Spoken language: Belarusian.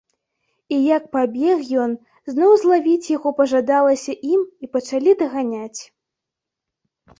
І як пабег ён, зноў злавіць яго пажадалася ім і пачалі даганяць.